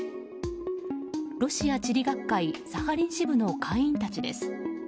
ロシア地理学会サハリン支部の会員たちです。